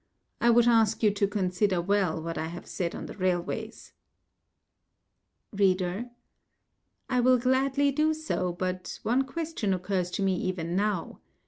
I would ask you to consider well what I have said on the railways. READER: I will gladly do so, but one question occurs to me even now.